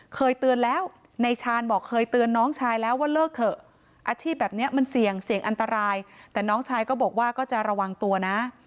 เคยเตือนแล้วในชาญบอกเคยเตือนน้องชายแล้วว่าเลิกเถอะอาชีพแบบนี้มันเสี่ยงเสี่ยงอันตรายแต่น้องชายก็บอกว่าก็จะระวังตัวนะ